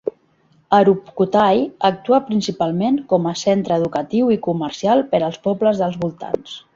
Aruppukottai actua principalment com a centre educatiu i comercial per als pobles dels voltants.